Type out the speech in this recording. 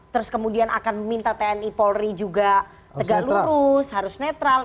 terus kemudian akan meminta tni polri juga tegak lurus harus netral